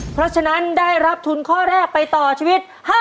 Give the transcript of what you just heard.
เพราะฉะนั้นได้รับทุนข้อแรกไปต่อชีวิต